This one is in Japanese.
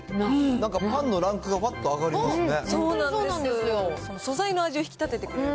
なんかパンのランクがばっと上がりますね。